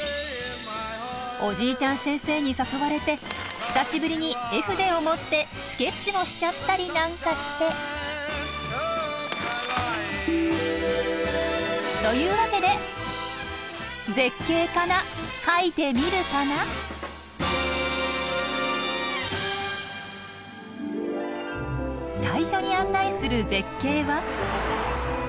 おじいちゃん先生に誘われて久しぶりに絵筆を持ってスケッチもしちゃったりなんかして。というわけで最初に案内する絶景は。